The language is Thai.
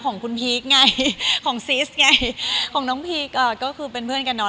ของคุณพีคไงของซีสไงของน้องพีคอ่ะก็คือเป็นเพื่อนกันเนาะ